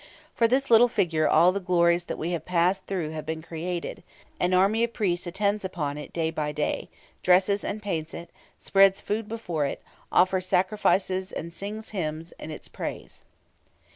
For this little figure all the glories that we have passed through have been created: an army of priests attends upon it day by day, dresses and paints it, spreads food before it, offers sacrifices and sings hymns in its praise.